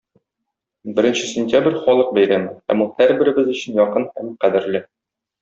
Беренче сентябрь - халык бәйрәме, һәм ул һәрберебез өчен якын һәм кадерле.